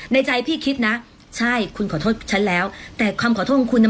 ในใจพี่คิดนะใช่คุณขอโทษฉันแล้วแต่คำขอโทษของคุณน่ะ